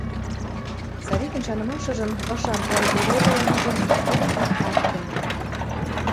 Савикӹн шанымашыжым, ышан ӓль ороды ылмыжым иктӓт пыт ак пӓлеп.